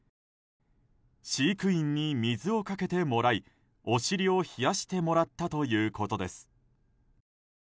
飼育員に水をかけてもらいお尻を冷やしてもらったということです。